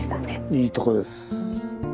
いいとこです。